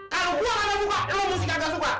kalau gue kagak suka lo mesti kagak suka